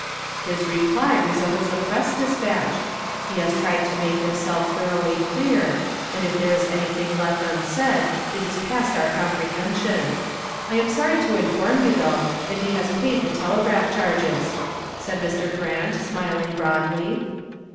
"His reply resembles a press dispatch. He has tried to make himself thoroughly clear, and if there is anything left unsaid it is past our comprehension. I am sorry to inform you, though, that he has paid the telegraph charges," said Mr. Grant, smiling broadly.